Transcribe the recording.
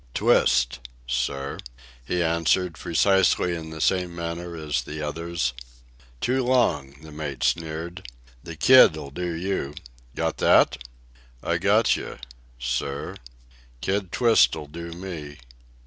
"Twist ... sir," he answered, precisely in the same manner as the others. "Too long," the mate sneered. "The Kid'll do you. Got that?" "I gotcha ... sir. Kid Twist'll do me